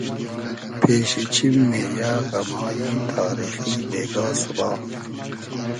پېشی چیم مې یۂ غئمای تاریخی بېگا سوبا